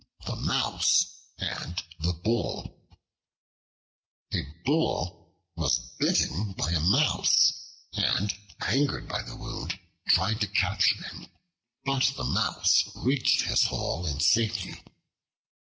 The Mouse and the Bull A BULL was bitten by a Mouse and, angered by the wound, tried to capture him. But the Mouse reached his hole in safety.